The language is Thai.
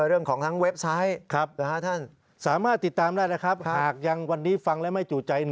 เรื่องของทั้งเว็บไซต์ท่านสามารถติดตามได้นะครับหากยังวันนี้ฟังแล้วไม่จู่ใจ